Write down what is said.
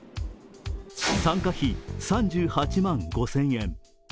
参加費３８万５０００円。